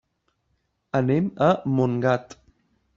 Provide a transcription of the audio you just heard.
Anem a Montgat.